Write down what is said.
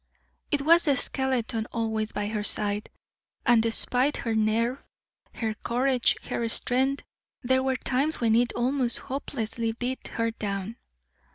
It was the skeleton always by her side, and despite her nerve, her courage, her strength, there were times when it almost hopelessly beat her down.